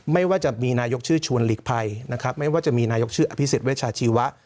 ไม่ว่าจะมีนายกชื่อชวนหลีกภัยนะครับไม่ว่าจะมีนายกชื่ออภิษฎเวชาชีวะ